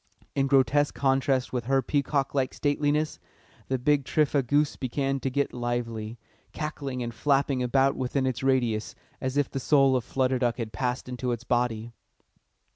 In grotesque contrast with her peacock like stateliness, the big tripha goose began to get lively, cackling and flapping about within its radius, as if the soul of Flutter Duck had passed into its body.